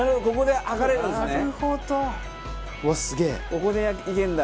ここでいけるんだ。